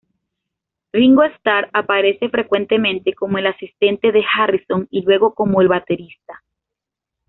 Ringo Starr aparece frecuentemente como el "asistente" de Harrison y luego como el baterista.